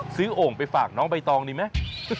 โอ่งไหมซื้อโอ่งไปฝากน้องใบตองดีไหม